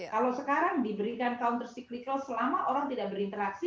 kalau sekarang diberikan counter cyclical selama orang tidak berinteraksi